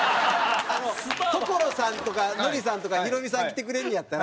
所さんとかノリさんとかヒロミさん来てくれんのやったら。